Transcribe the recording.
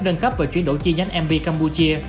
đơn khắp về chuyển đổi chi nhánh mp cambodia